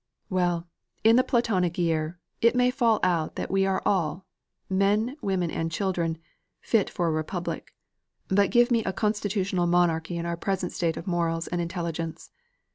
"Well, in the Platonic year, it may fall out that we are all men, women, and children fit for a republic; but give me a constitutional monarchy in our present state of morals and intelligence.